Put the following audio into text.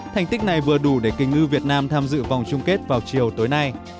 thành tích này vừa đủ để kinh ngư việt nam tham dự vòng chung kết vào chiều tối nay